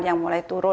yang mulai turun